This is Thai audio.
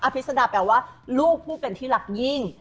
พิษดาแปลว่าลูกผู้เป็นที่รักยิ่ง